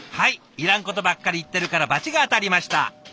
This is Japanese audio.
いらんことばっかり言ってるから罰が当たりました。